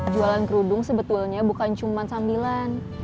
jualan kerudung sebetulnya bukan cuma sambilan